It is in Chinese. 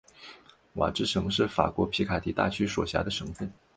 瓦兹省是法国皮卡迪大区所辖的省份。